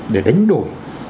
để đánh đổi